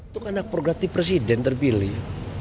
itu kan hak progratif presiden terpilih